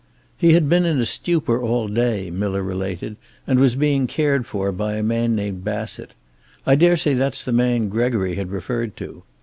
"He had been in a stupor all day," Miller related, "and was being cared for by a man named Bassett. I daresay that's the man Gregory had referred to.